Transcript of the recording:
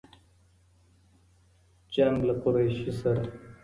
جـنــګ له قــــريــشي ســــره